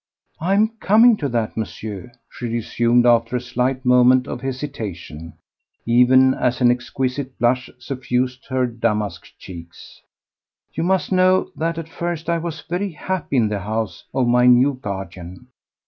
"I am coming to that, Monsieur," she resumed after a slight moment of hesitation, even as an exquisite blush suffused her damask cheeks. "You must know that at first I was very happy in the house of my new guardian.